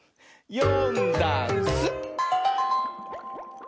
「よんだんす」